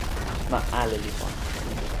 ma ale li pona.